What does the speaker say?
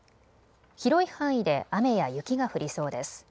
広い範囲で雨や雪が降りそうです。